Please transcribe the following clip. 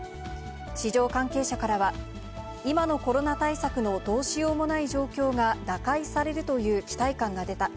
市場関係者からは、今のコロナ対策のどうしようもない状況が打開されるという期待感が出た。